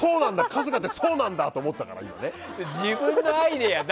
春日ってそうなんだ！って思ったからね。